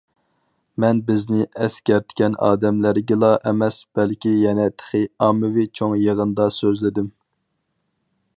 مەن بىزنى ئەسكەرتكەن ئادەملەرگىلا ئەمەس، بەلكى يەنە تېخى ئاممىۋى چوڭ يىغىندا سۆزلىدىم.